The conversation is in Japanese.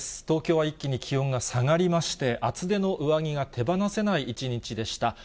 東京は一気に気温が下がりまして、厚手の上着が手放せない一日でした。